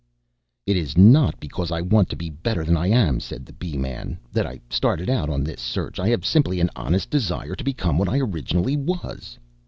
"It is not because I want to be better than I am," said the Bee man, "that I started out on this search. I have simply an honest desire to become what I originally was."